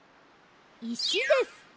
いしです。